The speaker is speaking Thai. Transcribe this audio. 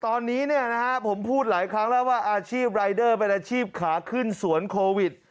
ตอนนี้ผมพูดหลายครั้งแล้วว่าอาชีพรายเดอร์เป็นอาชีพขาขึ้นสวนโควิด